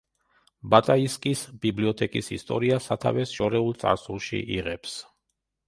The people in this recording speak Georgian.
ბატაისკის ბიბლიოთეკის ისტორია სათავეს შორეულ წარსულში იღებს.